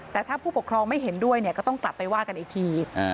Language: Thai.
แต่ถ้าผู้ปกครองไม่เห็นด้วยเนี่ยก็ต้องกลับไปว่ากันอีกที